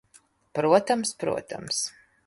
Protams, protams...